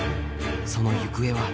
その行方は？